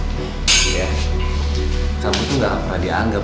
buat kampung cantik juga enggak